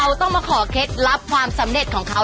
เราต้องมาขอเชฟรับความสำเน็ตของเขา